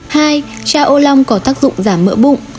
hai cha ô long có tác dụng giảm mỡ bụng